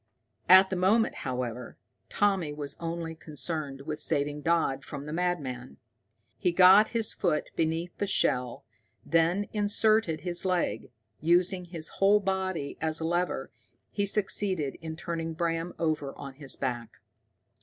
At the moment, however, Tommy was only concerned with saving Dodd from the madman. He got his foot beneath the shell, then inserted his leg; using his whole body as a lever, he succeeded in turning Bram over on his back.